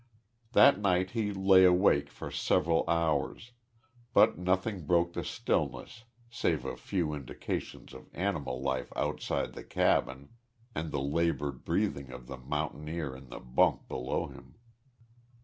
That night he lay awake for several hours, but nothing broke the stillness save a few indications of animal life outside the cabin and the labored breathing of the mountaineer in the bunk below him.